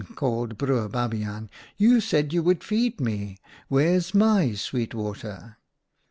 called Broer Babiaan. ' You said you would feed me. Where's my sweet water